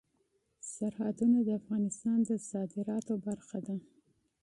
سرحدونه د افغانستان د صادراتو برخه ده.